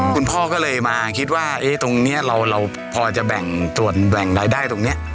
คุณพ่อก็เลยมาคิดว่าตรงนี้เราพอจะแบ่งตรวจแบ่งรายได้ตรงนี้